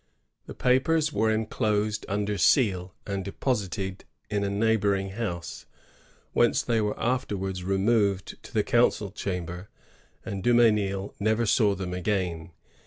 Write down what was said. The papers were enclosed under seal, and deposited in a neighboring house, whence they were afterwards removed to the council chamber, and Dmnesnil never saw them again.